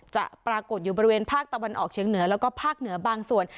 ปรากฏอยู่บริเวณภาคตะวันออกเชียงเหนือแล้วก็ภาคเหนือบางส่วน